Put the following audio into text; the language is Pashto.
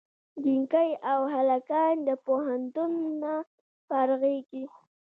جینکۍ او هلکان د پوهنتون نه فارغېږي